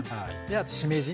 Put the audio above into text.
あとしめじ。